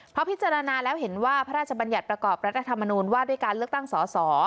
พอพิจารณาแล้วเห็นว่าพระราชบัญญัติประกอบรัฐธรรมนูญว่าด้วยการเลือกตั้งสอสอ